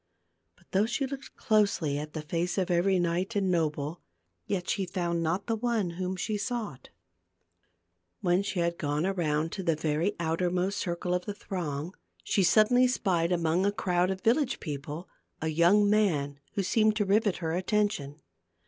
But though she looked closely at the face of every knight and noble, yet she found not the one whom she sought. 278 THE GLASS MOUNTAIN. When she had gone around to the very outer most circle of the throng, she suddenly spied among a crowd of village people, a young man who seemed to rivet her attention.